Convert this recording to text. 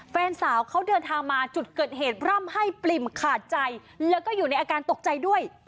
แฟนสาวเขาเดินทางมาจุดเกิดเหตุร่ำให้ปริ่มขาดใจแล้วก็อยู่ในอาการตกใจด้วย